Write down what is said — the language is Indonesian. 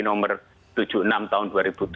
nomor tujuh puluh enam tahun dua ribu tujuh belas